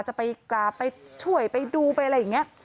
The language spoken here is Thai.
จะไปกราบไปช่วยไปดูไปอะไรอย่างนี้